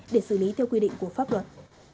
để xử lý theo quy định của pháp luật